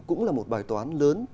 cũng là một bài toán lớn